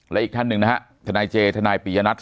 และอีกท่านคุณนะฮะทนายเจเจทนายปี้ยันทร์